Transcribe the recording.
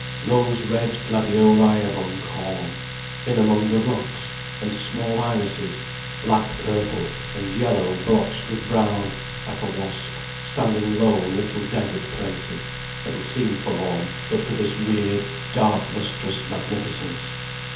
Rose red gladioli among corn, in among the rocks, and small irises, black purple and yellow blotched with brown, like a wasp, standing low in little desert places, that would seem forlorn but for this weird, dark lustrous magnificence.